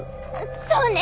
そうね！